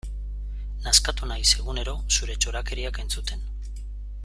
Nazkatu naiz egunero zure txorakeriak entzuten.